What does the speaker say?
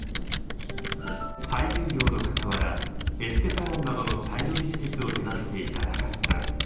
俳優業のかたわらエステサロンなどのサイドビジネスを手がけていた高知さん。